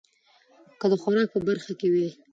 که د خوراک په برخه کې وي